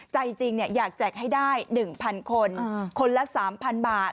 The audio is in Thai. ใจจริงอยากแจกให้ได้๑๐๐คนคนละ๓๐๐บาท